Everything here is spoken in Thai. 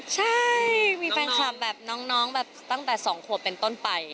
ใช่มีแฟนคลับแบบน้องตั้งแต่สองโคมเป็นต้นไป